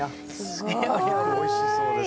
すごくおいしそうです。